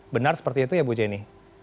benar seperti itu ya bu jenny